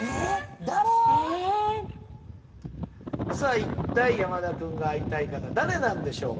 いったい山田君が会いたい方誰なんでしょうか？